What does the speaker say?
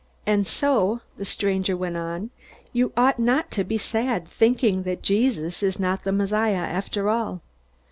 "And so," the stranger went on, "you ought not to be sad, thinking that Jesus is not the Messiah after all.